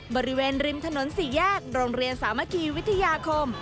บริเวณริมถนนสี่แยกโรงเรียนสามัคคีวิทยาคม